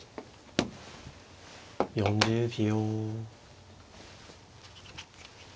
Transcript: ４０秒。